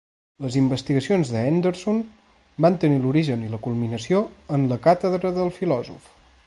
Les investigacions de Henderson van tenir l'origen i la culminació en la càtedra del filòsof.